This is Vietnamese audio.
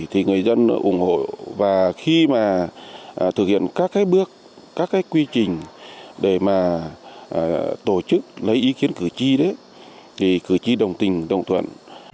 thì người dân ủng hộ và khi mà thực hiện các cái bước các cái quy trình để mà tổ chức lấy ý kiến cử tri đấy thì cử tri đồng tình đồng thuận